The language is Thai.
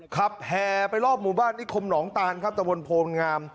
แห่ไปรอบหมู่บ้านนิคมหนองตานครับตะบนโพลงาม